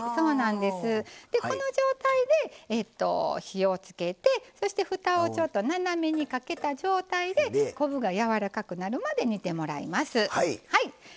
この状態で、火をつけてそしてふたをちょっと斜めにかけた状態で昆布が、やわらかくなるまで煮てもらいます。